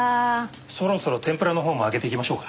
そろそろ天ぷらのほうも揚げていきましょうか。